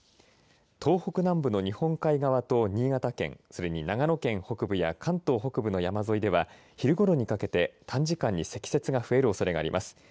東北南部の日本海側と新潟県それに長野県北部や関東北部の山沿いでは昼ごろにかけて短時間に積雪が増えるおそれがあります。